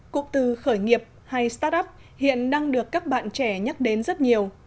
cụm từ khởi nghiệp hay start up hiện đang được các bạn trẻ nhắc đến rất nhiều